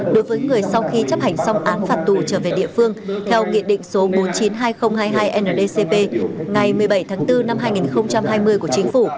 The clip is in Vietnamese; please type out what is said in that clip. đối với người sau khi chấp hành xong án phạt tù trở về địa phương theo nghị định số bốn trăm chín mươi hai nghìn hai mươi hai ndcp ngày một mươi bảy tháng bốn năm hai nghìn hai mươi của chính phủ